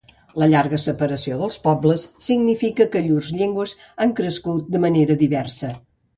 La llarga separació dels pobles significa que llurs llengües han crescut de manera diversa.